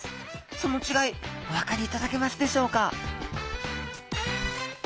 そのちがいお分かりいただけますでしょうか？